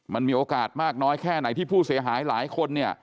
มันมีโอกาสมากน้อยแค่ไหนที่ผู้เสียหายหลายคนเนี่ย